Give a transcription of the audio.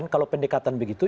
kalau pendekatan begitu